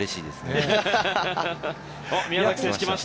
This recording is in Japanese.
宮崎選手が来ました。